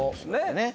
ねっ。